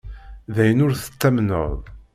D ayen ur tettamneḍ.